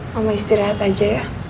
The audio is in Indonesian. mama istirahat aja ya